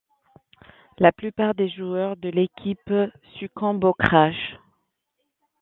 La plupart des joueurs de l'équipe succombent au crash.